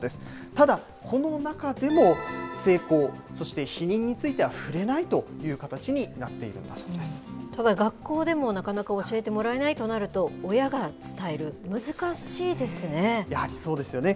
ただ、この中でも性交、そして避妊については触れないという形にただ学校でも、なかなか教えてもらえないとなると、親が伝える、難しいですね。